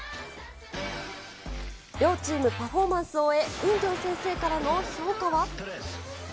両チームパフォーマンスを終え、ウンギョン先生からの評価は。